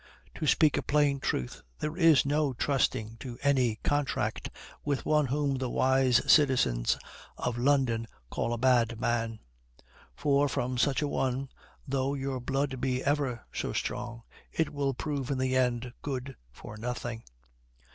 To speak a plain truth, there is no trusting to any contract with one whom the wise citizens of London call a bad man; for, with such a one, though your bond be ever so strong, it will prove in the end good for nothing.